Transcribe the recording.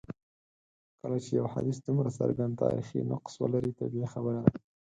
کله چي یو حدیث دومره څرګند تاریخي نقص ولري طبیعي خبره ده.